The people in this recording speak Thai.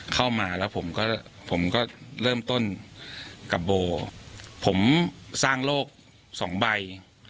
เข้ามาแล้วผมก็ผมก็เริ่มต้นกับโบผมสร้างโลกสองใบ